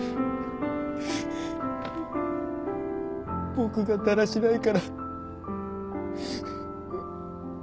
僕がだらしないから。